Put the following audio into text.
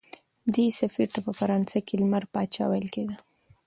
دې سفیر ته په فرانسه کې لمر پاچا ویل کېده.